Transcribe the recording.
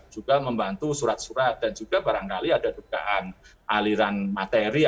juga membantu surat surat dan juga barangkali ada dugaan aliran materi